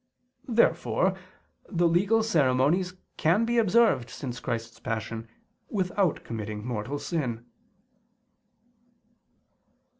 Therefore the legal ceremonies can be observed since Christ's Passion without committing mortal sin.